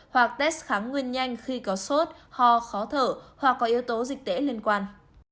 hoặc test kháng nguyên nhanh khi có sốt ho khó thở hoặc có yếu tố dịch tễ liên quan